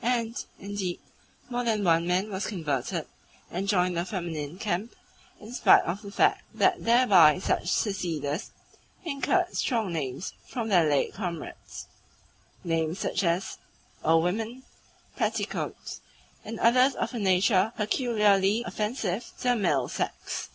And, indeed, more than one man was converted, and joined the feminine camp, in spite of the fact that thereby such seceders incurred strong names from their late comrades names such as "old women," "petticoats," and others of a nature peculiarly offensive to the male sex.